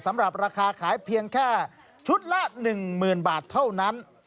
ราคาขายเพียงแค่ชุดละ๑๐๐๐บาทเท่านั้น